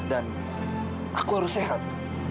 dan aku harus sehat